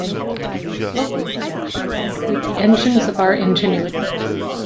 Local productions include "The Engines of Our Ingenuity".